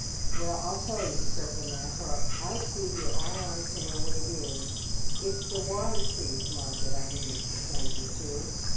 Well, I'll tell you," said the man, " for I see you're all eyes to know what it is, — it's the water crease market I means to send you to.